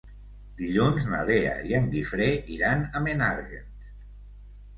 Dilluns na Lea i en Guifré iran a Menàrguens.